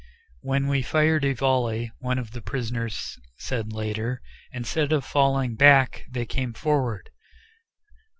"When we fired a volley," one of the prisoners said later, "instead of falling back they came forward.